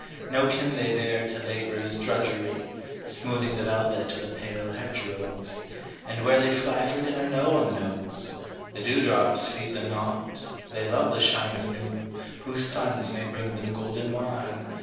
No kin they bear to labour's drudgery, Smoothing the velvet of the pale hedge rose; And where they fly for dinner no one knows The dew drops feed them not they love the shine Of noon, whose sun may bring them golden wine.